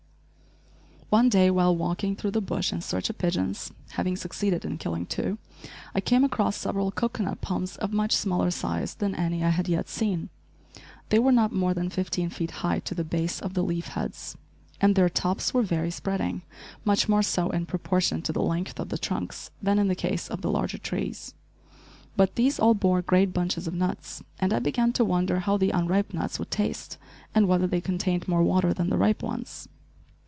One day while walking through the bush in search of pigeons, having succeeded in killing two, I came across several cocoanut palms of much smaller size than any I had yet seen. They were not more than fifteen feet high to the base of the leaf heads, and their tops were very spreading, much more so in proportion to the length of the trunks than in the case of the larger trees. But these all bore great bunches of nuts, and I began to wonder how the unripe nuts would taste, and whether they contained more water than the ripe ones.